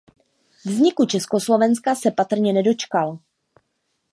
Vzniku Československa se patrně nedočkal.